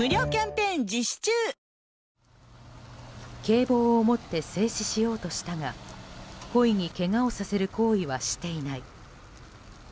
警棒を持って制止しようとしたが故意にけがをさせる行為はしていない。